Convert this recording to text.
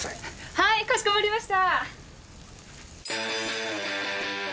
はいかしこまりました。